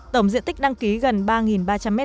tổng diện tích đăng ký gần ba ba trăm linh m hai